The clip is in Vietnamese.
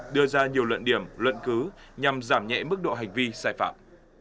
đưa ra nhiều luận điểm luận cứ nhằm giảm nhẹ mức độ hành vi sai phạm